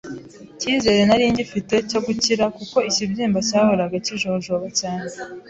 kizere nari ngifite cyo gukira kuko ikibyimba cyahoraga kijojoba cyane,